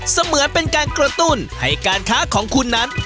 เหมือนเป็นการกระตุ้นให้การค้าของคุณนั้น